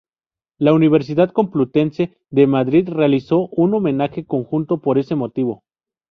La Universidad Complutense de Madrid realizó un homenaje conjunto por ese motivo..